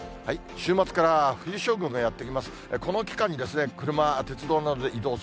週末から冬将軍がやって来ます。